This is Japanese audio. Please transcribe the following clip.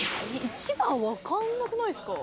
１番分かんなくないっすか？